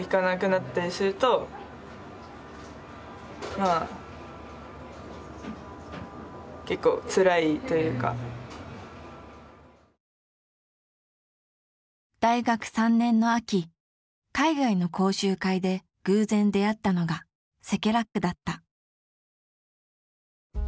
あまりにも大学３年の秋海外の講習会で偶然出会ったのがセケラックだった。